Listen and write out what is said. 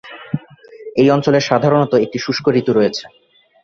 এই অঞ্চলে সাধারণত একটি শুষ্ক ঋতু রয়েছে।